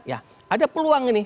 ya ada peluang nih